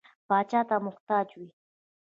پاچا ته محتاج وي.